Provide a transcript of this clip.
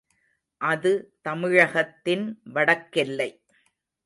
அது தமிழகத்தின் வடக்கெல்லை.